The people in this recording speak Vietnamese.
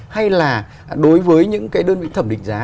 hay là đối với những cái đơn vị thẩm định giá